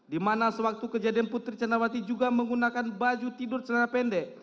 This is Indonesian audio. di mana sewaktu kejadian putri candrawati juga menggunakan baju tidur celana pendek